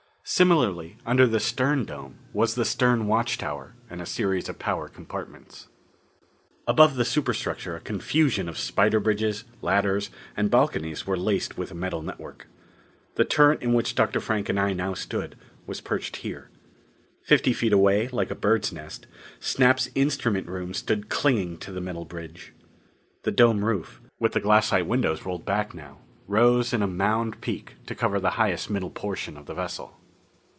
Similarly, under the stern dome, was the stern watch tower and a series of power compartments. Above the superstructure a confusion of spider bridges, ladders and balconies were laced like a metal network. The turret in which Dr. Frank and I now stood was perched here. Fifty feet away, like a bird's nest, Snap's instrument room stood clinging to the metal bridge. The dome roof, with the glassite windows rolled back now, rose in a mound peak to cover the highest middle portion of the vessel.